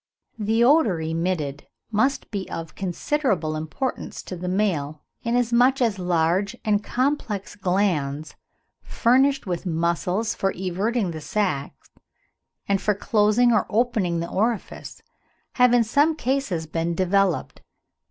The odour emitted must be of considerable importance to the male, inasmuch as large and complex glands, furnished with muscles for everting the sack, and for closing or opening the orifice, have in some cases been developed.